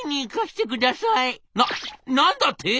「な何だって？